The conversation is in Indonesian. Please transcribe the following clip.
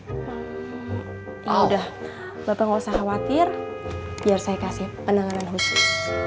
ya udah bapak gak usah khawatir biar saya kasih penanganan khusus